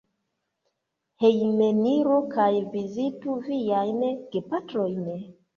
Hejmeniru kaj vizitu viajn gepatrojn.